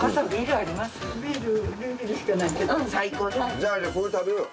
じゃあここで食べようよ！